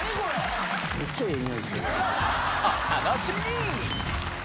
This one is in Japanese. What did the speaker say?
お楽しみに！